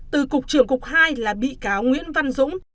từ cục trưởng cục hai là bị cáo nguyễn văn dũng